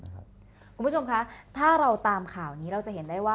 คุณผู้ชมคะถ้าเราตามข่าวนี้เราจะเห็นได้ว่า